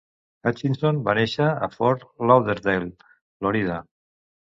Hutchinson va néixer a Fort Lauderdale (Florida).